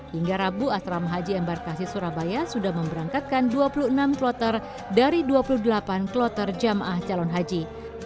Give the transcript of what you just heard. hingga rabu asrama haji embarkasi surabaya sudah memberangkatkan dua puluh enam kloter dari dua puluh delapan kloter jamaah calon haji